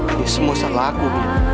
ini semua salah aku